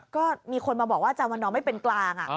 ก็มีคนมาบอกว่าอาจารย์วันนอมไม่เป็นกลาง